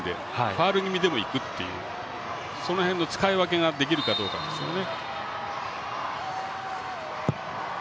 ファウル気味でもいくっていうその辺の使い分けができるかどうかですね。